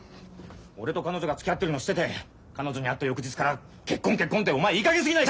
俺と彼女がつきあってるのを知ってて彼女に会った翌日から結婚結婚ってお前いいかげんすぎないか！